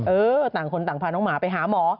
เออต่างคนต่างพาน้องหมาไปหาหมอ